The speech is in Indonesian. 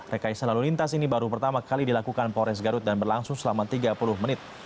rekayasa lalu lintas ini baru pertama kali dilakukan polres garut dan berlangsung selama tiga puluh menit